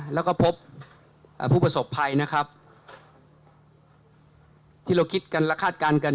แล้วก็พบผู้ประสบภัยนะครับที่เราคิดกันและคาดการณ์กัน